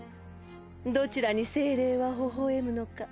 どちらに精霊はほほ笑むのか。